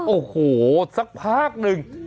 โอ้โหสักพักหนึ่ง